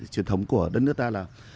truyền thống của đất nước ta là